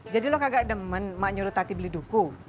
jadi lo kagak demen mak nyuruh tati beli duku